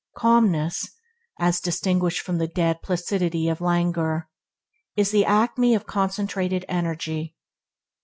Calmness, as distinguished from the dead placidity of languor, is the acme of concentrated energy.